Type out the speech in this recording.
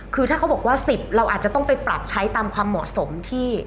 คือถ้าเขาบอกว่า๑๐เราอาจจะต้องไปปรับใช้ตามความเหมาะสมที่